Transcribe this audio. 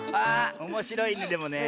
おもしろいねでもねえ。